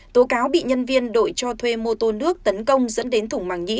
tố cáo bị nhân viên đội cho thuê mô tô nước tấn công dẫn đến thủng màng nhĩ